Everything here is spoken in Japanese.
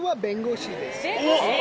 えっ！